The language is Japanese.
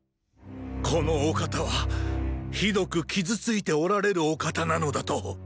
このお方はひどく傷ついておられるお方なのだと。